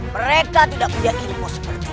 mereka tidak punya ilmu seperti itu